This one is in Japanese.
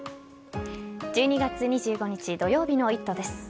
１２月２５日土曜日の「イット！」です。